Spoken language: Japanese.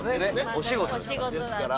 お仕事ですから。